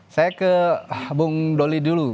saya ke bung doli dulu